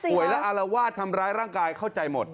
แล้วอารวาสทำร้ายร่างกายเข้าใจหมด